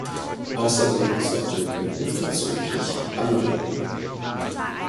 Außerdem sollten wir unverzüglich handeln.